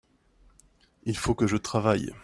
il faut que je travaille.